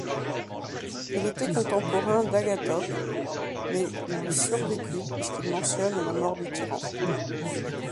Il était contemporain d'Agathocle, mais lui survécut puisqu'il mentionne la mort du tyran.